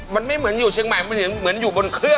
มันไม่เหมือนอยู่เชียงใหม่มันเหมือนอยู่บนเครื่อง